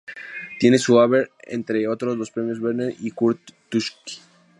Tiene en su haber, entre otros los premios "Berliner" y "Kurt Tucholsky".